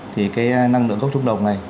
thì cái năng lượng gốc chống đồng này